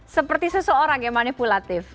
seperti seseorang yang manipulatif